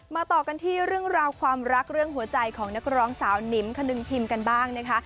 ต่อกันที่เรื่องราวความรักเรื่องหัวใจของนักร้องสาวนิมคนึงพิมพ์กันบ้างนะคะ